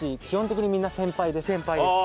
基本的にみんな先輩です。